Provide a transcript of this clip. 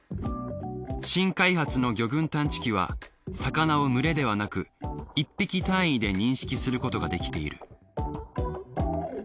新開発の魚群探知機は魚を群れではなく１匹単位で認識することができている。